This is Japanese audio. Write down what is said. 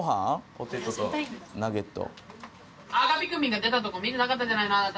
ポテトとナゲット。